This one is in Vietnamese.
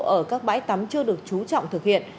ở các bãi tắm chưa được chú trọng thực hiện